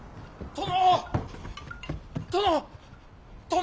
殿！